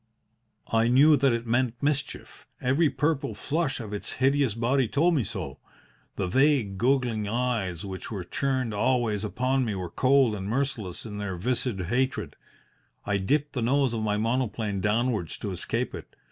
"I knew that it meant mischief. Every purple flush of its hideous body told me so. The vague, goggling eyes which were turned always upon me were cold and merciless in their viscid hatred. I dipped the nose of my monoplane downwards to escape it.